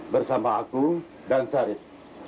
bersama aku dan syarif